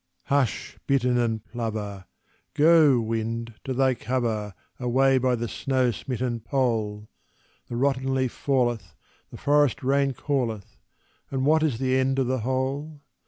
Hush, bittern and plover! Go, wind, to thy cover Away by the snow smitten Pole! The rotten leaf falleth, the forest rain calleth; And what is the end of the whole?